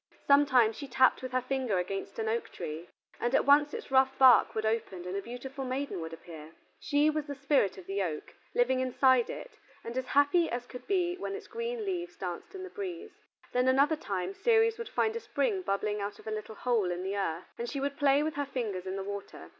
Sometimes she tapped with her finger against an oak tree, and at once its rough bark would open and a beautiful maiden would appear: she was the spirit of the oak, living inside it, and as happy as could be when its green leaves danced in the breeze. Then another time Ceres would find a spring bubbling out of a little hole in the earth, and she would play with her fingers in the water.